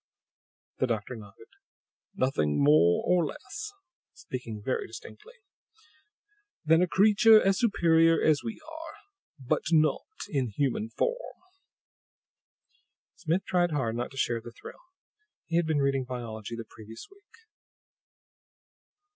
The doctor nodded. "Nothing more or less" speaking very distinctly "than a creature as superior as we are, but NOT IN HUMAN FORM." Smith tried hard not to share the thrill. He had been reading biology the previous week.